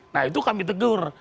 nah itu kami tegur